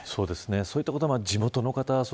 そういったことは地元の方